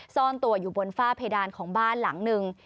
ซ่อนตัวอยู่บนฝ้าเพดานของบ้านหลังหนึ่ง